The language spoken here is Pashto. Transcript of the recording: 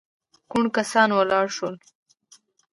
ګڼ کسان ولاړ شول.